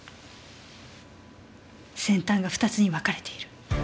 先端が２つに分かれている。